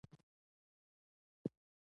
غلط ځای ټاکل او د وخت نشتون ستونزې دي.